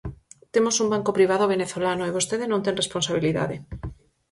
Temos un banco privado venezolano, e vostede non ten responsabilidade.